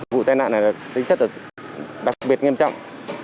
vụ tên nạn này là tính chất đặc biệt nghiêm trọng